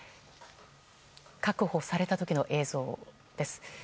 確保された時の映像です。